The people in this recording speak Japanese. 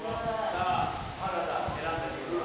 さあ原田選んだ理由は？